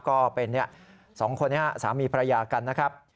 ก็เป็น๒คนนี้สามีภรรยากันนะครับ